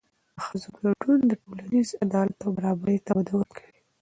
د ښځو ګډون ټولنیز عدالت او برابري ته وده ورکوي.